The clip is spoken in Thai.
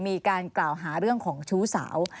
มีการกล่าวหาเรื่องของชู้สาว